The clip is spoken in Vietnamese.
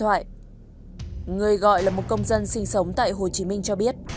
hãy đăng ký kênh để ủng hộ kênh của mình nhé